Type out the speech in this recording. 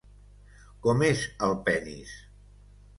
Com és el penis?